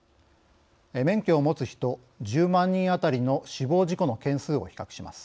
免許を持つ人１０万人当たりの死亡事故の件数を比較します。